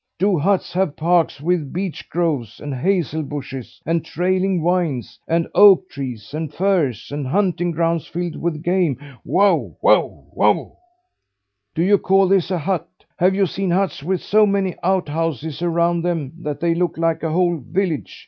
Do huts have parks with beech groves and hazel bushes and trailing vines and oak trees and firs and hunting grounds filled with game, wow, wow, wow? Do you call this a hut? Have you seen huts with so many outhouses around them that they look like a whole village?